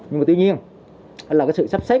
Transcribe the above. nhưng mà tuy nhiên là sự sắp xếp